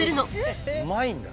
うまいんだ。